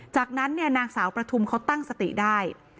จากนั้นเนี่ยนางสาวประทุมเขาตั้งสติได้